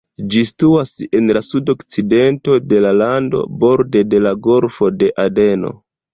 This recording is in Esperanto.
Ĝi situas en la sudokcidento de la lando, borde de la Golfo de Adeno.